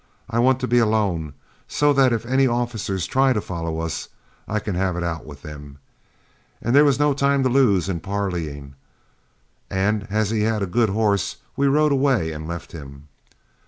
I want to be alone, so that if any officers try to follow us up, I can have it out with them." [Illustration: CELEBRATING IN DODGE] As there was no time to lose in parleying, and as he had a good horse, we rode away and left him.